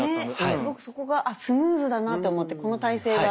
すごくそこがスムーズだなと思ってこの体勢が一番。